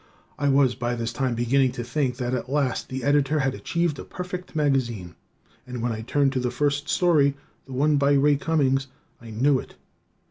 I was by this time beginning to think that at last the Editor had achieved a perfect magazine, and when I turned to the first story, the one by Ray Cummings, I knew it.